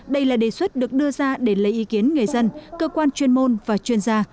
đây là đề xuất được đưa ra để lấy ý kiến người dân cơ quan chuyên môn và chuyên gia